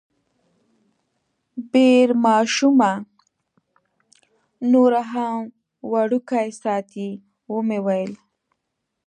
بیر ماشومه نوره هم وړوکې ساتي، ومې ویل.